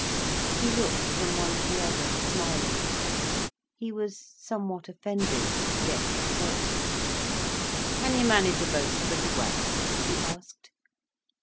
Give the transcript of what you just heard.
He looked from one to the other, smiling. He was somewhat offended—yet sporting. "Can you manage a boat pretty well?" he asked.